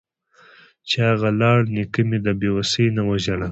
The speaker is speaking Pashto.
چې اغه لاړ نيکه مې د بې وسۍ نه وژړل.